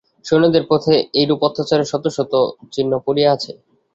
সৈন্যদের পথে এইরূপ অত্যাচারের শত শত চিহ্ন পড়িয়া আছে।